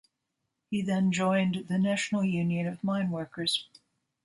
He then joined the National Union of Mineworkers.